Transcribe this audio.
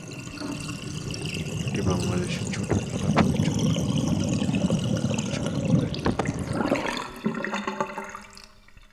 এটি বাংলাদেশে জুডো খেলা পরিচালনা ও নিয়ন্ত্রণের জন্য দায়িত্বপ্রাপ্ত।